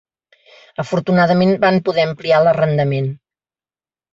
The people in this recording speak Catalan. Afortunadament, van poder ampliar l"arrendament.